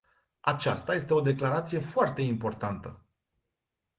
Aceasta este o declarație foarte importantă.